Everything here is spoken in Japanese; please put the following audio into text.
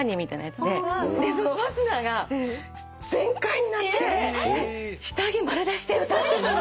でそのファスナーが全開になって下着丸出しで歌ってたの。